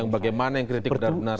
bagaimana yang kritik benar benar